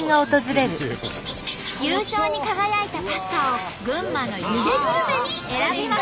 優勝に輝いたパスタを群馬の湯気グルメに選びます。